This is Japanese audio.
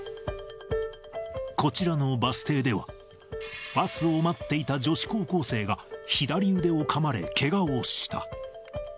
こちらのバス停では、バスを待っていた女子高校生が左腕をかまれ、けがをした。